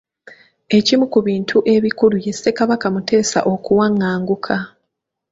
Ekimu ku bintu ebikulu ye Ssekabaka Muteesa okuwaŋŋanguka.